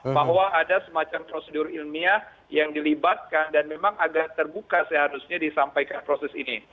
bahwa ada semacam prosedur ilmiah yang dilibatkan dan memang agak terbuka seharusnya disampaikan proses ini